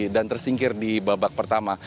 dan tersingkir di babak pertama